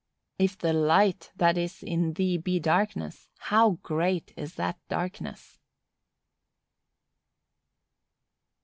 "If the light that is in thee be darkness, how great is that darkness!"